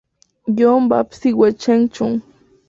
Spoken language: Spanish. John Baptist Wu Cheng-chung.